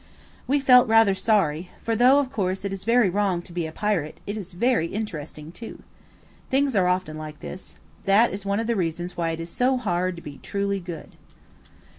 We felt rather sorry, for though of course it is very wrong to be a pirate, it is very interesting too. Things are often like this. That is one of the reasons why it is so hard to be truly good.